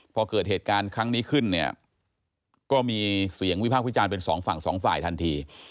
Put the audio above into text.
พอเกิดเหตุการณ์ครั้งนี้ขึ้นเนี่ยก็มีเสียงวิพากษ์วิจารณ์เป็นสองฝั่งสองฝ่ายทันที